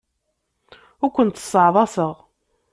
Ur kent-sseɛḍaseɣ.